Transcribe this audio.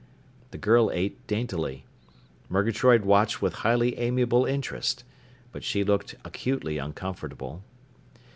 The girl ate daintily. Murgatroyd watched with highly amiable interest. But she looked acutely uncomfortable.